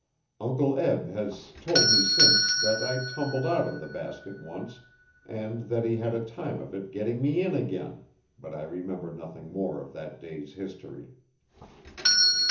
Uncle Eb has told me since, that I tumbled out of the basket once, and that he had a time of it getting me in again, but I remember nothing more of that day's history.